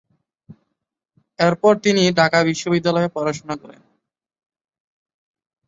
এরপর তিনি ঢাকা বিশ্ববিদ্যালয়ে পড়াশোনা করেন।